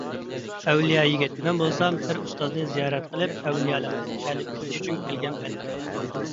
ئەۋلىيا يىگىت، مەن بولسام پىر ئۇستازنى زىيارەت قىلىپ ئەۋلىيالىقتىن تەلىم ئېلىش ئۈچۈن كەلگەن بەندىمەن.